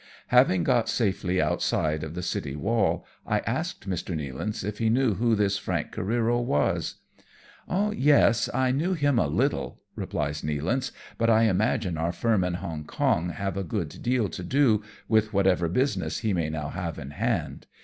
Having got safely outside of the citj"^ wall, I asked Mr. Nealance if he knew who this Frank Careero was. " Yes, T know him a little," replies Nealance, " but I. imagine our firm in Hong Xong have a good deal to do with whatever business he may now have in hand.